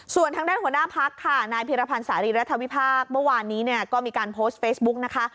ส่วนทางด้านหัวหน้าพักค่ะนายพิรพันธ์สารีรัฐวิพากษ์เมื่อวานนี้เนี่ยก็มีการโพสต์เฟซบุ๊กนะคะ